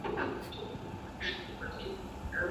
که ته وغواړې، زه درسره په سودا کې مرسته کوم.